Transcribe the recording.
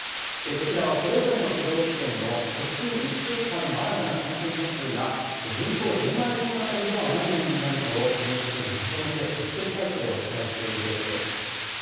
こちらは、それぞれの都道府県の直近１週間の新たな感染者数が人口１０万人あたりでは何人になるかをＮＨＫがまとめて特設サイトでお伝えしているデータです。